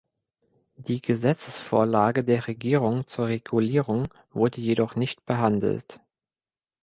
Die Gesetzesvorlage der Regierung zur Regulierung wurde jedoch nicht behandelt.